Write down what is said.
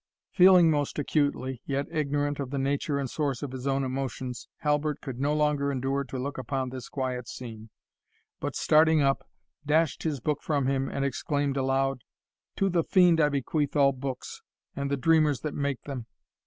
Feeling most acutely, yet ignorant of the nature and source of his own emotions, Halbert could no longer endure to look upon this quiet scene, but, starting up, dashed his book from him, and exclaimed aloud, "To the fiend I bequeath all books, and the dreamers that make them!